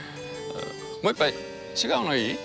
もう一杯違うのいい？